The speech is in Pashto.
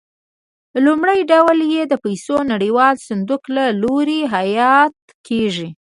لومړی ډول یې د پیسو نړیوال صندوق له لوري حیات کېږي.